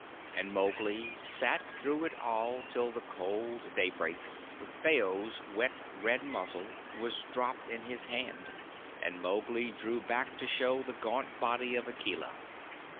And Mowgli sat through it all till the cold daybreak, when Phao's wet, red muzzle was dropped in his hand, and Mowgli drew back to show the gaunt body of Akela.